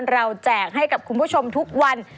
แจกให้กับคุณผู้ชมทุกวัน